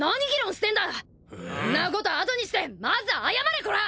あ？んなこと後にしてまず謝れこら！